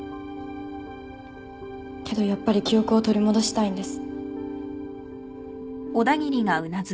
けどやっぱり記憶を取り戻したいんです。